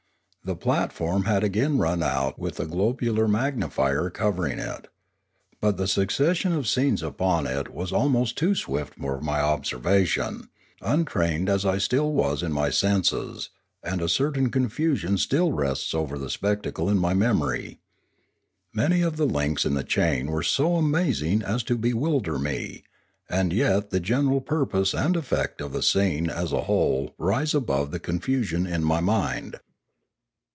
The platform had again run out with the globular magnifier covering it. But the suc cession of scenes upon it was almost too swift for my observation, untrained as I still was in my senses, and 440 Limanora a certain confusion still rests over the spectacle in my memory. Many of the links in the chain were so amazing as to bewilder me, and yet the general pur pose and effect of the scene as a whole rise above the confusion in my mind.